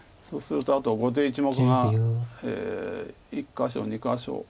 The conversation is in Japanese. そうするとあと後手一目が１か所２か所。